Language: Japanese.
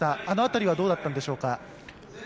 あの辺りはどうだったんでしょうか。